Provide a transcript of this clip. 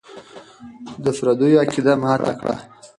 د پردیو عقیده ماته کړه.